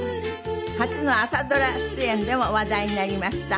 初の朝ドラ出演でも話題になりました